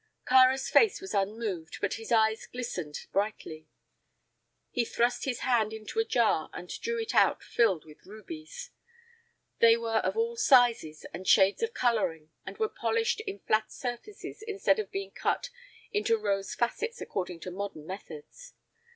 Kāra's face was unmoved, but his eyes glistened brightly. He thrust his hand into a jar and drew it out filled with rubies. They were of all sizes and shades of coloring and were polished in flat surfaces instead of being cut into rose facets according to modern methods.